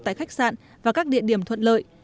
tại khách sạn và các địa điểm thuận lợi